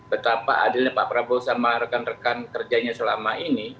betapa adilnya pak prabowo sama rekan rekan kerjanya selama ini